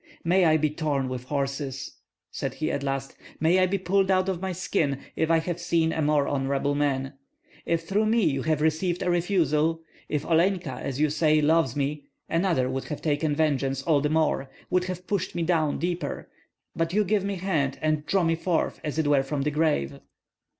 "May I be torn with horses," said he at last, "may I be pulled out of my skin, if I have seen a more honorable man! If through me you have received a refusal, if Olenka, as you say, loves me, another would have taken vengeance all the more, would have pushed me down deeper; but you give your hand and draw me forth as it were from the grave."